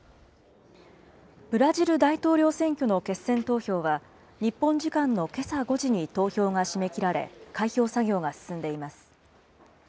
ブラジル大統領選挙の決選投票は、日本時間のけさ５時に投票が締め切られ、開票作業が進んでいます。